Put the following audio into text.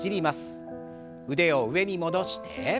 腕を上に戻して。